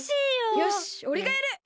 よしおれがやる！